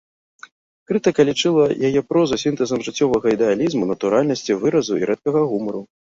Крытыка лічыла яе прозу сінтэзам жыццёвага ідэалізму, натуральнасці выразу і рэдкага гумару.